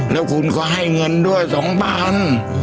แล้วคุณก็ให้เงินด้วย๒๐๐บาท